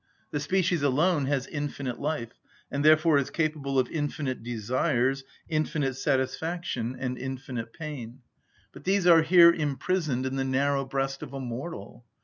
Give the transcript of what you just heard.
The species alone has infinite life, and therefore is capable of infinite desires, infinite satisfaction, and infinite pain. But these are here imprisoned in the narrow breast of a mortal.